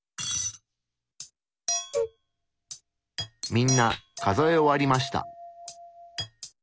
みんな数え終わりました。